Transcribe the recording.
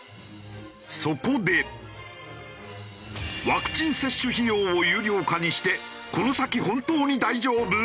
ワクチン接種費用を有料化にしてこの先本当に大丈夫？